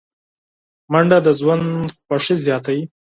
منډه د ژوند خوښي زیاتوي